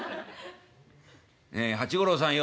「ねえ八五郎さんよ」。